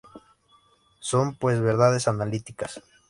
Son pues verdades analíticas.